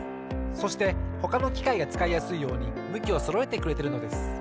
そしてほかのきかいがつかいやすいようにむきをそろえてくれてるのです。